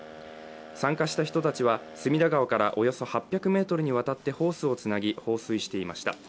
参加した人たちは、隅田川からおよそ８００ｍにわたってホースをつなぎ放水していました。